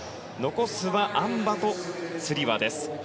残すは、あん馬とつり輪です。